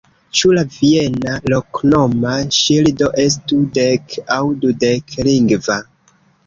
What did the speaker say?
Ĉu la viena loknoma ŝildo estu dek- aŭ dudek-lingva?